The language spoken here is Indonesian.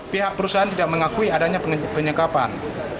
pihak perusahaan tidak mengakui adanya penyekapan